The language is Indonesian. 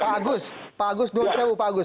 pak agus pak agus dua persyawab pak agus